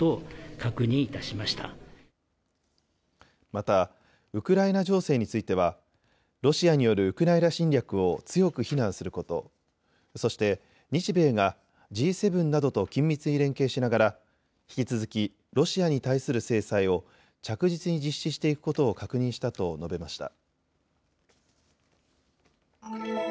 またウクライナ情勢についてはロシアによるウクライナ侵略を強く非難すること、そして日米がＧ７などと緊密に連携しながら引き続きロシアに対する制裁を着実に実施していくことを確認したと述べました。